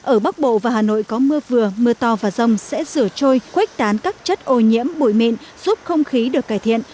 ở bắc bộ và hà nội có mưa vừa mưa to và rông sẽ rửa trôi khuếch tán các chất ô nhiễm bụi mịn giúp không khí được cải thiện